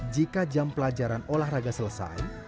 jika jam pelajaran olahraga selesai